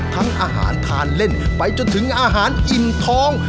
ทั้งอาหารทานเล่นไปจนถึงอาหารอิ่มท้อง